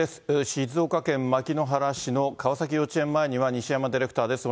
静岡県牧之原市の川崎幼稚園前には西山ディレクターです。